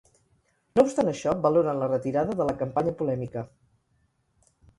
No obstant això, valoren la retirada de la campanya polèmica.